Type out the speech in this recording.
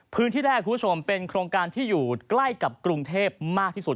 พื้นที่แรกคุณผู้ชมเป็นโครงการที่อยู่ใกล้กับกรุงเทพมากที่สุด